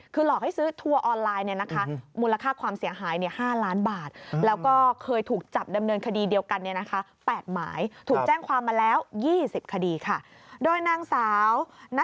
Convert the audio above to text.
คือหลอกให้ซื้อทัวร์ออนไลน์เนี่ยนะคะ